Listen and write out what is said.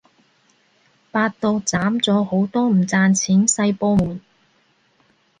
百度斬咗好多唔賺錢細部門